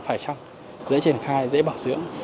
phải chăng dễ triển khai dễ bảo dưỡng